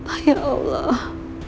oh ya allah